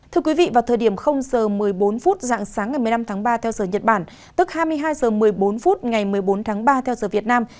thưa quý vị vào thời điểm h một mươi bốn phút dạng sáng ngày một mươi năm tháng ba theo giờ nhật bản tức hai mươi hai h một mươi bốn phút ngày một mươi bốn tháng ba theo giờ việt nam